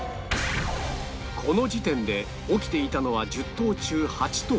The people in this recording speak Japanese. この時点で起きていたのは１０頭中８頭